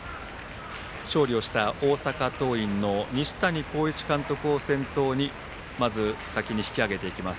勝利した大阪桐蔭の西谷浩一監督を先頭にまず先に引き揚げていきます。